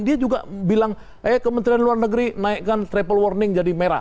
dia juga bilang eh kementerian luar negeri naikkan triple warning jadi merah